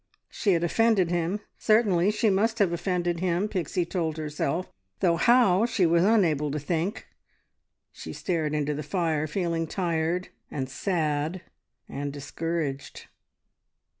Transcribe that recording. ... She had offended him: certainly she must have offended him, Pixie told herself, though how she was unable to think. She stared into the fire, feeling tired, and sad, and discouraged.